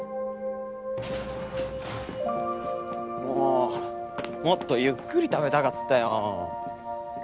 もうもっとゆっくり食べたかったよ。